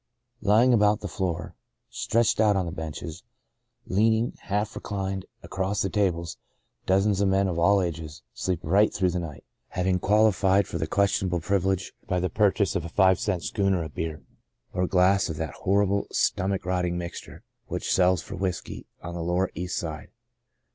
Lying about the floor, stretched out on the benches, leaning, half reclined, across the tables, dozens of men of all ages sleep right through the night, having qualified for the questionable privilege by the purchase of a five cent " schooner " of beer, or glass of that horrible, stomach rotting mixture, which De Profundis 45 sells for whiskey on the lower East Side.